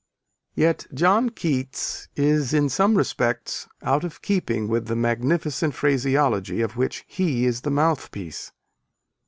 _ Yet John Keats is in some respects out of keeping with the magnificent phraseology of which he is the mouthpiece.